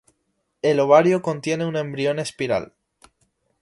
El ovario contiene un embrión espiral.